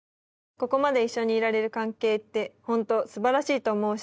「ここまで一緒にいられる関係ってほんと素晴らしいと思うし」